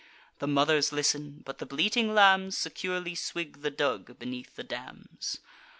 The mothers listen; but the bleating lambs Securely swig the dug, beneath the dams.